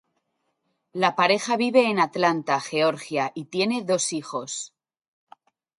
La pareja vive en Atlanta, Georgia, y tiene dos hijos.